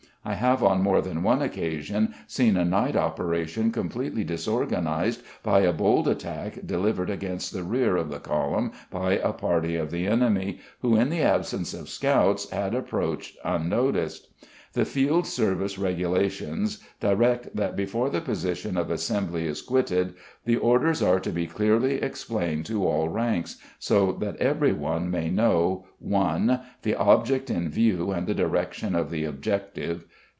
I have on more than one occasion seen a night operation completely disorganised by a bold attack delivered against the rear of the column by a party of the enemy, who, in the absence of scouts, had approached unnoticed. The Field Service Regulations direct that before the position of assembly is quitted the orders are to be clearly explained to all ranks, so that everyone may know: 1. The object in view and the direction of the objective.